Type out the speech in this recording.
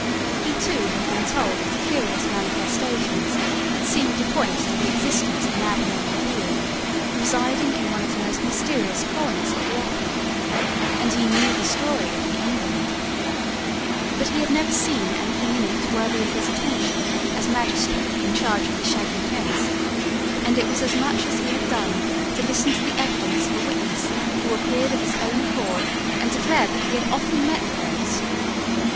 He, too, had been told of the curious manifestations that seemed to point to the existence of an abnormal being, residing in one of the most mysterious corners of the Opera, and he knew the story of the envelope; but he had never seen anything in it worthy of his attention as magistrate in charge of the Chagny case, and it was as much as he had done to listen to the evidence of a witness who appeared of his own accord and declared that he had often met the ghost.